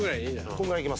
こんぐらいいきます。